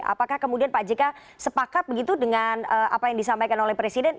apakah kemudian pak jk sepakat begitu dengan apa yang disampaikan oleh presiden